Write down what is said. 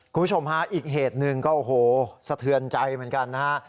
คุณผู้ชมฮะอีกเหตุหนึ่งก็โอ้โหสะเทือนใจเหมือนกันนะฮะ